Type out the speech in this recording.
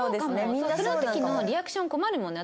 その時のリアクション困るもんね